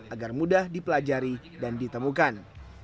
agar mudah dipelajari dan ditemukan